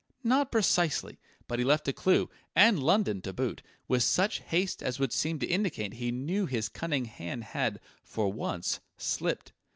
"Not precisely: but he left a clue and London, to boot with such haste as would seem to indicate he knew his cunning hand had, for once, slipped."